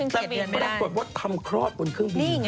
แต่ผลปรากฏว่าทำคลอดบนเครื่องบิน